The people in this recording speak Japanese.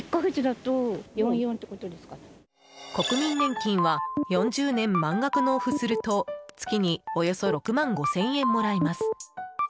国民年金は４０年、満額納付すると月におよそ６万５０００円もらえます。